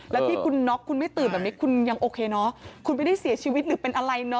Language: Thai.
แล้วที่คุณน็อกคุณไม่ตื่นแบบนี้คุณยังโอเคเนอะคุณไม่ได้เสียชีวิตหรือเป็นอะไรเนาะ